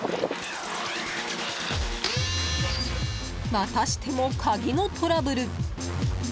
またしても鍵のトラブル。